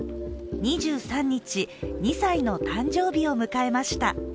２３日、２歳の誕生日を迎えました。